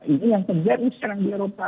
ini yang terjadi sekarang di eropa